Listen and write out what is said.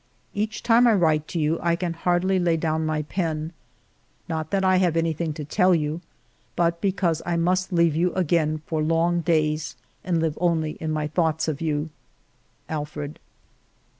..." Each time I write to you I can hardly lay down my pen ; not that I have anything to tell you, but because I must leave you again for long days and live only in my thoughts of you. ... Alfred."